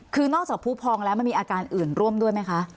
คือนอกจากผู้พองแล้วมันมีอาการอื่นร่วมด้วยไหมคะ